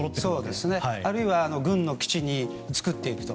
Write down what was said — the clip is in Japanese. あるいは軍の基地を作っていくと。